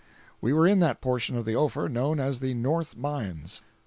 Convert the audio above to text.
We were in that portion of the Ophir known as the "north mines."